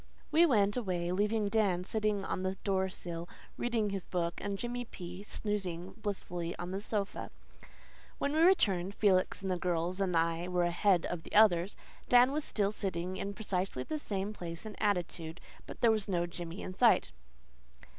We went away, leaving Dan sitting on the door sill reading his book, and Jimmy P. snoozing blissfully on the sofa. When we returned Felix and the girls and I were ahead of the others Dan was still sitting in precisely the same place and attitude; but there was no Jimmy in sight.